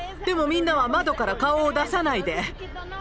でもみんなは窓から顔を出さないで。